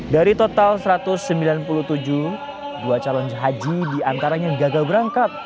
dari total satu ratus sembilan puluh tujuh dua calon haji diantaranya gagal berangkat